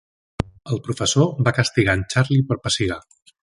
El professor va castigar en Charlie per pessigar.